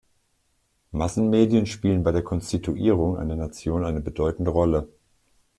Massenmedien spielen bei der Konstituierung einer Nation eine bedeutende Rolle.